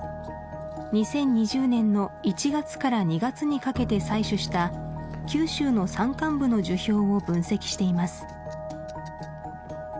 ２０２０年の１月から２月にかけて採取した九州の山間部の樹氷を分析しています